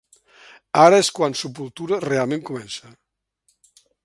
Ara és quan Sepultura realment comença.